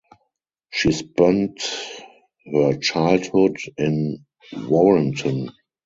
She spent her childhood in Warrenton.